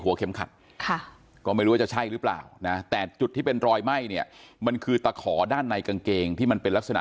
หัวเข็มขัดค่ะก็ไม่รู้ว่าจะใช่รึเปล่านะแต่จุดที่เป็นรอยไหม้เลยยังมันคือตะขอด้านในกางเกงที่มัน